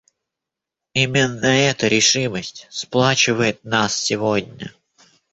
Именно эта решимость сплачивает нас сегодня.